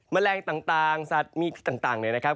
แมลงต่างสัตว์มีพิษต่างเนี่ยนะครับ